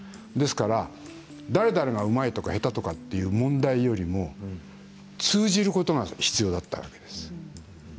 ですから、誰々がうまいとか下手という問題よりも通じることが必要だったわけです。